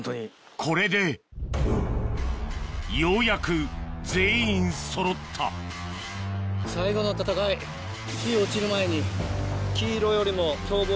これでようやく全員そろった日落ちる前に。